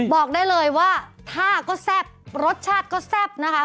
บอกได้เลยว่าท่าก็แซ่บรสชาติก็แซ่บนะคะ